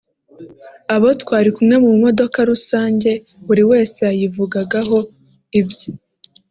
Abo twari kumwe mu modoka rusange buri wese yayivugagaho ibye